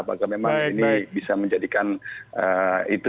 apakah memang ini bisa menjadikan alasan begitu